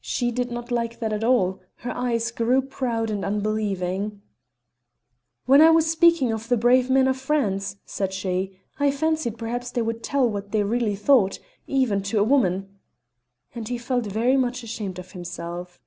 She did not like that at all; her eyes grew proud and unbelieving. "When I was speaking of the brave men of France," said she, "I fancied perhaps they would tell what they really thought even to a woman." And he felt very much ashamed of himself.